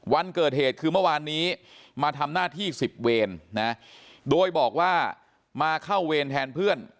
วันเกิดเหตุคือเมื่อวานนี้มาทำหน้าที่๑๐เวรนะโดยบอกว่ามาเข้าเวรแทนเพื่อน